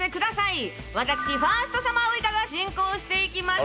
私ファーストサマーウイカが進行していきます。